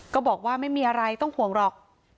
ก็บอกว่าไม่มีอะไรต้องห่วงหรอก